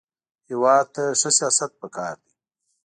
هېواد ته ښه سیاست پکار دی